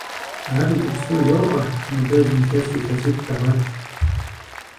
Ар иджыпсту жоӀэр, мыдэ зы илъэс-илъэситӀ дэгъэкӀ.